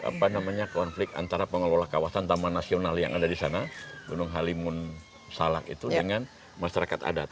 tapi memang ada tarik menarik konflik antara pengelola kawasan taman nasional yang ada di sana gunung halimun salak itu dengan masyarakat adat